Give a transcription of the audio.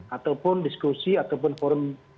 ataupun diskusi ataupun forum